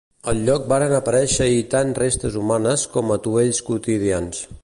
Al lloc varen aparèixer-hi tant restes humanes com atuells quotidians.